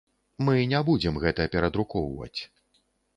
Мы не будзем гэта перадрукоўваць.